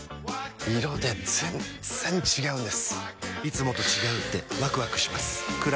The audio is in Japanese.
色で全然違うんです！